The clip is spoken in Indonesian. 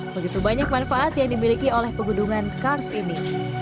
begitu banyak manfaat yang dimiliki oleh pegunungan kars ini